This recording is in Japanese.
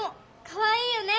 かわいいよね！